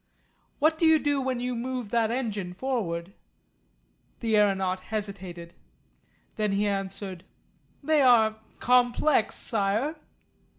"What do you do when you move that engine forward?" The aeronaut hesitated. Then he answered, "They are complex, Sire."